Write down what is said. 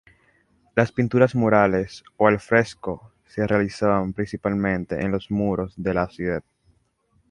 Las pinturas murales o al fresco se realizaban principalmente en los muros del ábside.